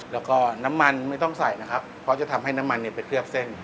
แล้วก็น้ำมันไม่ต้องใส่นะครับเพราะจะทำให้น้ำมันไปเคลือบเส้น